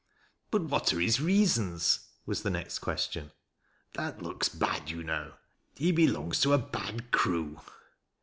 " But what are his reasons ?" was the next question. ' That looks bad, you know. He belongs to a bad crew."